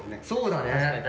そうだね。